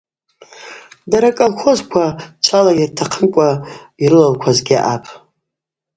Дара аколхозква чвала, йыртахъымкӏва йрылалквазгьи аъапӏ.